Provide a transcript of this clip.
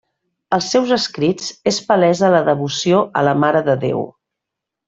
Als seus escrits és palesa la devoció a la Mare de Déu.